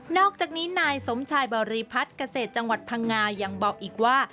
อกจากนี้นายสมชายบริพัฒน์เกษตรจังหวัดพังงายังบอกอีกว่า